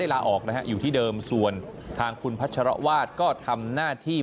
ลาออกนะฮะอยู่ที่เดิมส่วนทางคุณพัชรวาสก็ทำหน้าที่